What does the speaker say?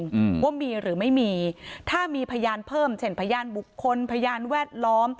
อืมว่ามีหรือไม่มีถ้ามีพยานเพิ่มเช่นพยานบุคคลพยานแวดล้อม